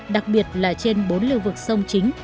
đặc biệt là trên bốn lưu vực sông chính